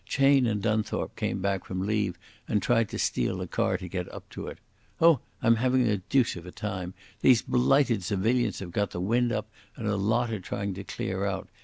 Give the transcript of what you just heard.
Cheyne and Dunthorpe came back from leave and tried to steal a car to get up to it.... Oh, I'm having the deuce of a time. These blighted civilians have got the wind up, and a lot are trying to clear out.